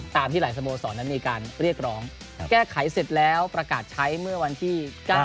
ที่หลายสโมสรนั้นมีการเรียกร้องแก้ไขเสร็จแล้วประกาศใช้เมื่อวันที่๙